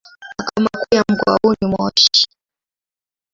Makao makuu ya mkoa huu ni Moshi.